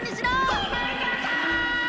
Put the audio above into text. ごめんなさい！